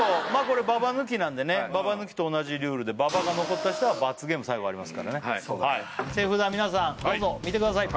これババ抜きなんでねババ抜きと同じルールでババが残った人は罰ゲーム最後ありますからねそうか手札皆さんどうぞ見てください